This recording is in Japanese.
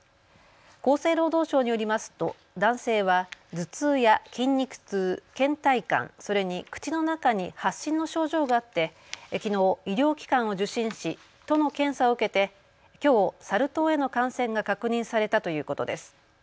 厚生労働省によりますと男性は頭痛や筋肉痛、けん怠感、それに口の中に発疹の症状があってきのう医療機関を受診し都の検査を受けて、きょうサル痘への感染が確認されたということです。